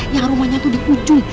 yang rumahnya itu di ujung